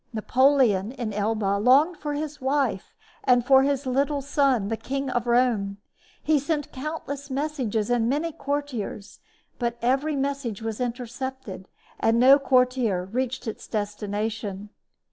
Napoleon, in Elba, longed for his wife and for his little son, the King of Rome. He sent countless messages and many couriers; but every message was intercepted, and no courier reached his destination.